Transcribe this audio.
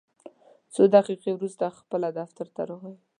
څو دقیقې وروسته پخپله دفتر ته راغی.